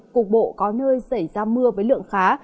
cục bộ có nơi xảy ra mưa với lượng khá